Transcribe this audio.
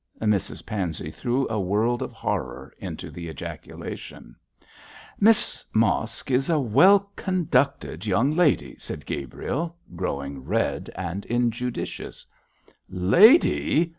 Mrs Pansey threw a world of horror into the ejaculation. 'Miss Mosk is a well conducted young lady,' said Gabriel, growing red and injudicious. 'Lady!'